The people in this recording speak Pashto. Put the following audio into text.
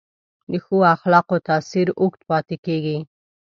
د ښو اخلاقو تاثیر اوږد پاتې کېږي.